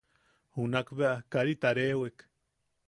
Junakbea karita rewek.